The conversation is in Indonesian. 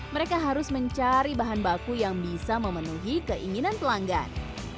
mereka harus mencari bahan baku yang bisa memenuhi keinginan pelanggan